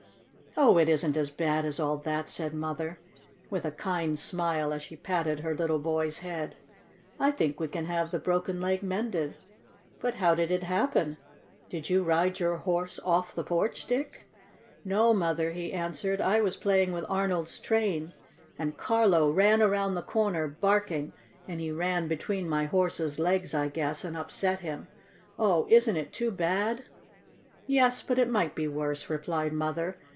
"Oh, it isn't as bad as all that," said Mother, with a kind smile as she patted her little boy's head. "I think we can have the broken leg mended. But how did it happen? Did you ride your Horse off the porch, Dick?" "No, Mother," he answered. "I was playing with Arnold's train, and Carlo ran around the corner, barking, and he ran between my Horse's legs, I guess, and upset him. Oh, isn't it too bad?" "Yes; but it might be worse," replied Mother.